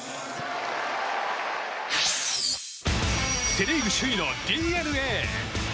セ・リーグ首位のＤｅＮＡ。